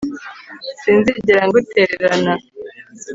Sinzigera ngutererana